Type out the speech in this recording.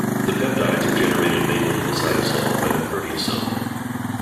The peptides are generated mainly in the cytosol by the proteasome.